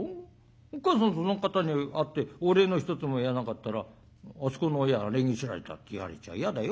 おっかさんその方に会ってお礼の一つも言わなかったらあそこの親は礼儀知らずだって言われちゃやだよ。